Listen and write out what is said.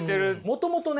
もともとね